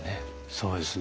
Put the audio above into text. そうですね。